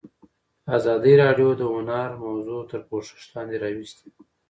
ازادي راډیو د هنر موضوع تر پوښښ لاندې راوستې.